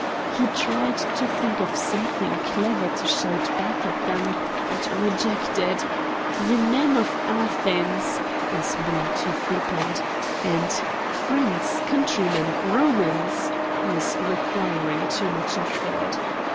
He tried to think of something clever to shout back at them, and rejected "Ye men of Athens" as being too flippant, and "Friends, Countrymen, Romans," as requiring too much effort.